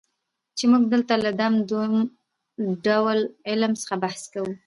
چي موږ دلته له دغه دووم ډول علم څخه بحث کوو.